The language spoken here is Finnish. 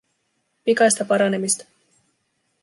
Pikaista paranemista!